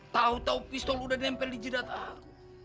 tahu tahu pistol lo udah nempel di jedat aku